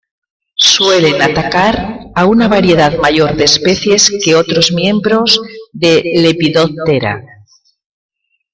Suelen atacar a una variedad mayor de especies que otros miembros de Lepidoptera.